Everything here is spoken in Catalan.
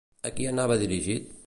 A qui anava dirigit?